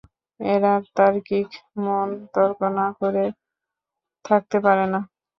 এলার তার্কিক মন, তর্ক না করে থাকতে পারে না।